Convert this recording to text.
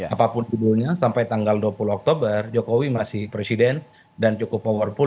apapun judulnya sampai tanggal dua puluh oktober jokowi masih presiden dan cukup powerful